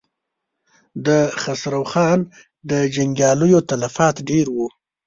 د خسرو خان د جنګياليو تلفات ډېر و.